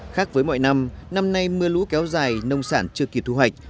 khác với mọi năm năm nay mưa lũ kéo dài nông sản chưa kịp thu hoạch